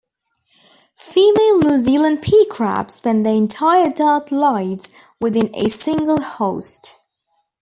Female New Zealand pea crabs spend their entire adult lives within a single host.